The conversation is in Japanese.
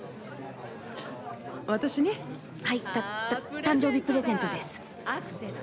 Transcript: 私に？はいた誕生日プレゼントです。